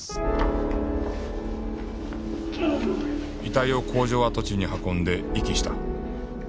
遺体を工場跡地に運んで遺棄した。